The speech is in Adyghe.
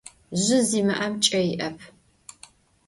Zjı zimı'em ç'e yi'ep.